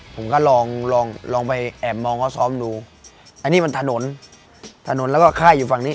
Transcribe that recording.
ผมก็ลองลองไปแอบมองเขาซ้อมดูอันนี้มันถนนถนนแล้วก็ค่ายอยู่ฝั่งนี้